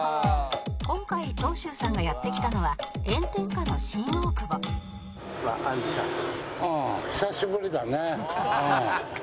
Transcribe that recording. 今回長州さんがやって来たのは炎天下の新大久保いい女だな。